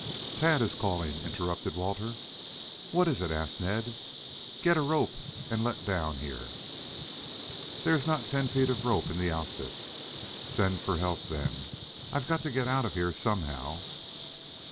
"Tad is calling," interrupted Walter. "What is it?" asked Ned. "Get a rope and let down here." "There is not ten feet of rope in the outfit." "Send for help then. I've got to get out of here somehow."